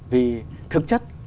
vì thực chất